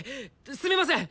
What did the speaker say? すみません！